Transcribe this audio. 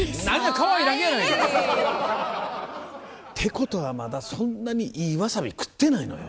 カワイイ！ってことはまだそんなにいいワサビ食ってないのよ。